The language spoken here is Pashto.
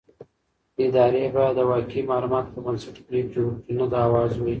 ادارې بايد د واقعي معلوماتو پر بنسټ پرېکړې وکړي نه د اوازې.